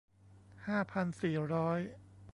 ห้าพันสี่ร้อย